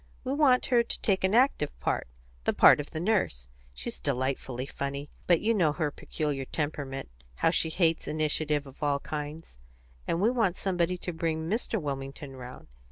We want her to take an active part the part of the Nurse. She's delightfully funny. But you know her peculiar temperament how she hates initiative of all kinds; and we want somebody to bring Mr. Wilmington round.